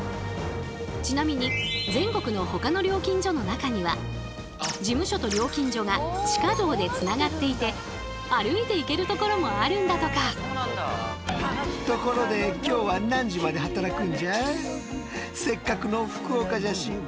ちなみに全国のほかの料金所の中には事務所と料金所が地下道でつながっていて歩いて行けるところもあるんだとか。ということでやって来たのは中は立ち仕事大変。